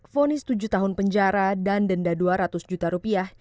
vonis tujuh tahun penjara dan denda rp dua ratus juta